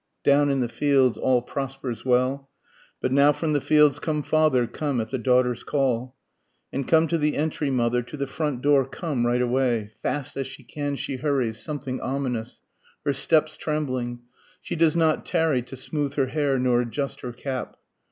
Down in the fields all prospers well, But now from the fields come father, come at the daughter's call, And come to the entry mother, to the front door come right away. Fast as she can she hurries, something ominous, her steps trembling, She does not tarry to smooth her hair nor adjust her cap.